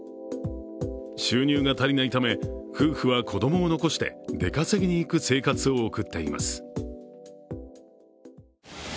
収入が足りないため、夫婦は子供を残して出稼ぎにいく生活を送っています。